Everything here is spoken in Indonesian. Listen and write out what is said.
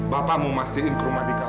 bapak mau masjidin ke rumah dika